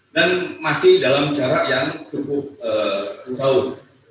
dan masih dalam jarak yang ya tidak terlalu jauh